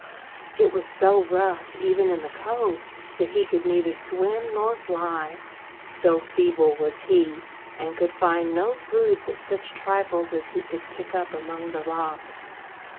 It was so rough, even in the cove, that he could neither swim nor fly, so feeble was he; and could find no food but such trifles as he could pick up among the rocks.